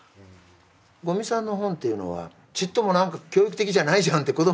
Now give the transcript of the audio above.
五味さんの本っていうのはちっとも何か教育的じゃないじゃんって子どもも思うわけですよ。